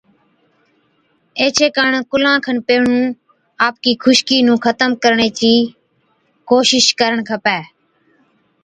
ايڇي ڪاڻ ڪُلان کن پيهڻُون آپڪِي خُشڪِي نُون ختم ڪرڻي چِي ڪوشش ڪرڻ کپَي۔